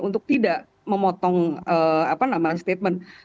untuk tidak memotong statement